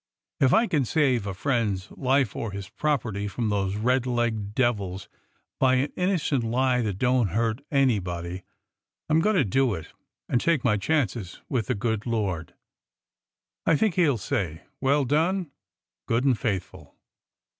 If I can save a friend's life or his property from these red legged devils by an innocent lie that don't hurt anybody, I 'm going to do it, and take my chances with the good Lord! I think he 'll say, ' Well done, good and faithful.